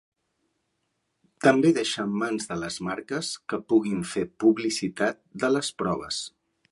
També deixa en mans de les marques que puguin fer publicitat de les proves.